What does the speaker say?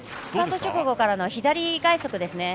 スタート直後からの左外足。